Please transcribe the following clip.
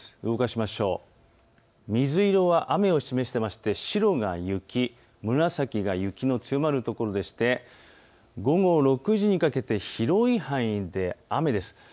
動かしますと水色が雨を示していて白が雪、紫が雪の強まる所でして午後６時にかけて広い範囲で雨です。